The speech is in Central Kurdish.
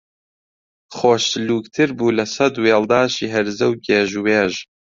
خۆش سلووکتر بوو لە سەد وێڵداشی هەرزە و گێژ و وێژ